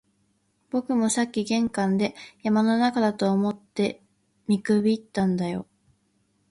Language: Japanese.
僕もさっき玄関で、山の中だと思って見くびったんだよ